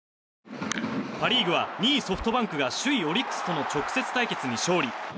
パ・リーグは２位ソフトバンクが首位オリックスとの直接対決に勝利。